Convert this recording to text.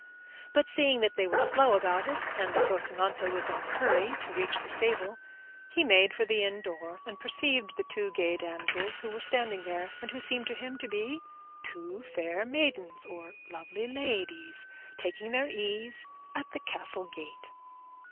But seeing that they were slow about it, and that Rocinante was in a hurry to reach the stable, he made for the inn door, and perceived the two gay damsels who were standing there, and who seemed to him to be two fair maidens or lovely ladies taking their ease at the castle gate.